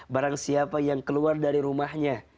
barang siapa yang keluar dari rumahnya